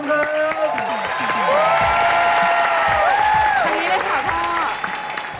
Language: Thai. ทีนี้แหละค่ะพ่อ